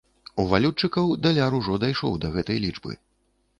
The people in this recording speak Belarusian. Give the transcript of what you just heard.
У валютчыкаў даляр ужо дайшоў да гэтай лічбы.